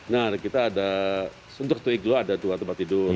nah kita ada untuk tuiglo ada dua tempat tidur